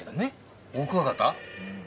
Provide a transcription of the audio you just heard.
うん。